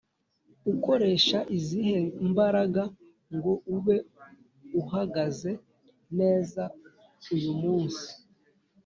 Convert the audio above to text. Ukoresha izihe mbaraga ngo ube uhagaze neza uyu munsi?